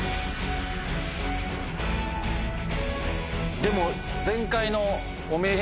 でも。